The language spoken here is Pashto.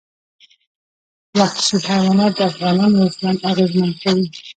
وحشي حیوانات د افغانانو ژوند اغېزمن کوي.